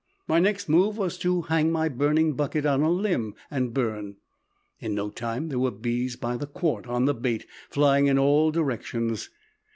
My next move was to hang my burning bucket on a limb and burn. In no time there were bees by the quart on the bait, flying in all directions.